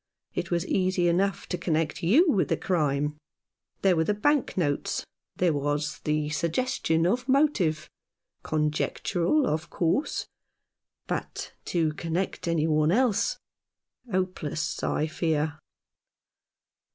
It was easy enough to connect you with the crime. There were the bank notes — there was the suggestion of motive — conjectural, of course ; but to connect any one else ? Hopeless, I fear."